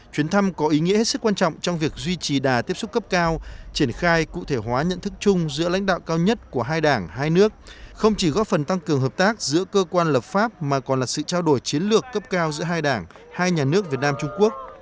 chuyến thăm có ý nghĩa hết sức quan trọng trong việc duy trì đà tiếp xúc cấp cao triển khai cụ thể hóa nhận thức chung giữa lãnh đạo cao nhất của hai đảng hai nước không chỉ góp phần tăng cường hợp tác giữa cơ quan lập pháp mà còn là sự trao đổi chiến lược cấp cao giữa hai đảng hai nhà nước việt nam trung quốc